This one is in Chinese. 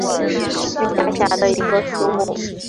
是下辖的一个苏木。